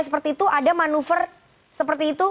seperti itu ada manuver seperti itu